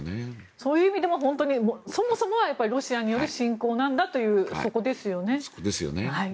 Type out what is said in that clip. そういう意味でも本当にそもそもはロシアによる侵攻なんだというそこですよね。